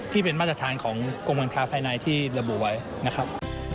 ที่เป็นมาตรฐานของกรมการค้าภายในที่ระบุไว้นะครับ